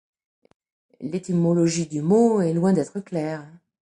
L'étymologie du mot est loin d'être claire.